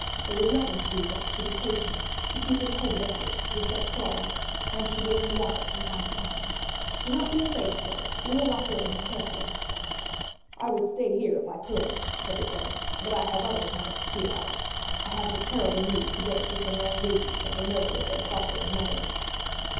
There was nothing to do but to be patient, to keep his head bandaged with wet cloths, and to give him water from time to time. Do not be afraid, sir; we will watch over him carefully." "I would stay here if I could," Harry said; "but I have others I must see about. I have the terrible news to break to some young ladies of the murder of their father and mother."